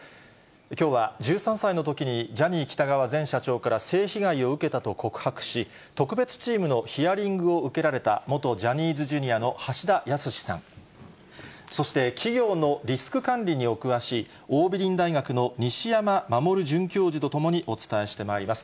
きょうは１３歳のときにジャニー喜多川前社長から性被害を受けたと告白し、特別チームのヒアリングを受けられた元ジャニーズＪｒ．の橋田康さん、そして、企業のリスク管理にお詳しい桜美林大学の西山守准教授と共にお伝えしてまいります。